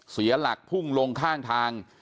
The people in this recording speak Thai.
เสียหลักพุ่งลงข้างทาง